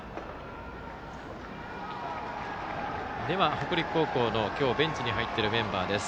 北陸高校のベンチに入っているメンバーです。